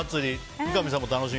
三上さんも楽しみ？